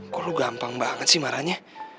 kok lu gampang banget sih marahnya